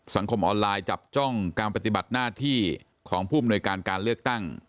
สังคมออนไลน์จับจ้องการปฏิบัติหน้าที่ของผู้อำนวยการการเลือกตั้ง